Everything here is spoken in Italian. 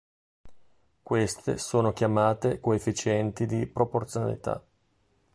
Queste sono chiamate coefficienti di proporzionalità.